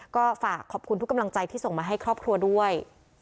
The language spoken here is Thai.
ก็ฝากขอบคุณทุกกำลังใจที่ส่งมาให้ครอบครัวด้วย